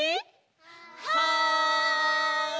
はい！